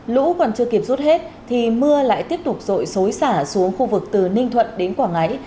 lũ còn chưa kịp rút hết thì mưa lại tiếp tục rội xối xả xuống khu vực từ ninh thuận đến quảng ngãi